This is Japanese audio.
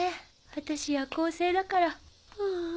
私夜行性だからふあ。